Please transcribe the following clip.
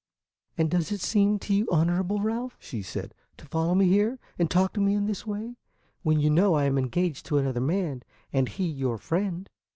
"And does it seem to you honorable, Ralph," she said, "to follow me here and talk to me in this way, when you know I am engaged to another man, and he your friend?"